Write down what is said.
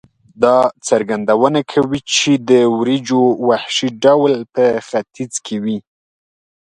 دا څرګندونه کوي چې د وریجو وحشي ډول په ختیځ کې وې.